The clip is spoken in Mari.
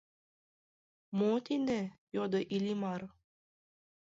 — Мо тиде? — йодо Иллимар.